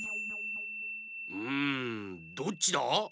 うんどっちだ？